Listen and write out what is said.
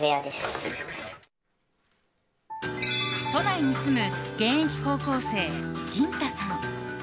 都内に住む現役高校生ぎん太さん。